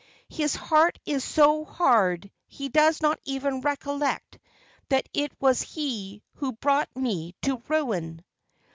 His heart is so hard, he does not even recollect that it was he who brought me to ruin."